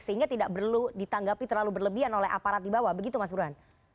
sehingga tidak perlu ditanggapi terlalu berlebihan oleh aparat di bawah begitu mas burhan